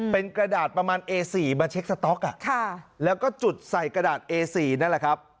เป็นกระดาษประมาณเอสี่มาเช็คสต๊อกแล้วก็จุดใส่กระดาษเอสี่นั่นแหละครับ